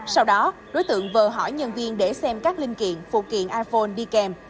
sau đó đối tượng vờ hỏi nhân viên để xem các linh kiện phụ kiện iphone đi kèm